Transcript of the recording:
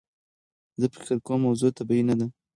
زه فکر کوم موضوع طبیعي نده.